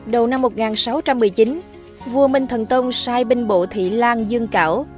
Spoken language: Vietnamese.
đầu năm một nghìn sáu trăm một mươi chín vua minh thần tông sai binh bộ thị lan dương cảo